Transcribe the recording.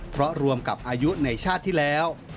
เพราะรวมกับอายุในชาติที่แล้ว